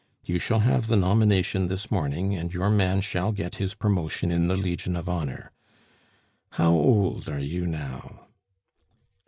You shall have the nomination this morning, and your man shall get his promotion in the Legion of Honor. How old are you now?"